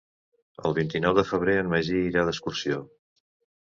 El vint-i-nou de febrer en Magí irà d'excursió.